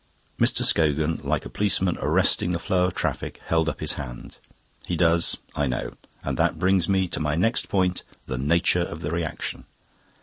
Mr. Scogan, like a policeman arresting the flow of traffic, held up his hand. "He does; I know. And that brings me to my next point: the nature of the reaction."